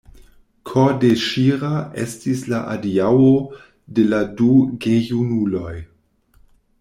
Kordeŝira estis la adiaŭo de la du gejunuloj.